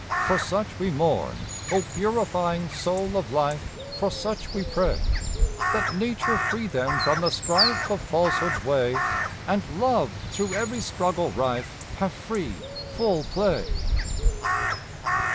For such we mourn, O purifying soul of life, For such we pray. Let Nature free them from the strife Of falsehood's way, And Love through every struggle rife Have free, full play.